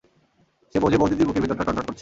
সে বোঝে বউদিদির বুকের ভিতরটা টনটন করছে।